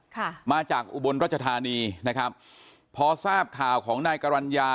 ค่ะมาจากอุบลรัชธานีนะครับพอทราบข่าวของนายกรรณญา